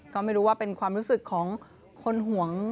ก็ไม่รู้ว่าเป็นความรู้สึกของคนห่วง